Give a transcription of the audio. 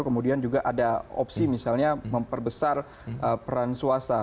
kemudian juga ada opsi misalnya memperbesar peran swasta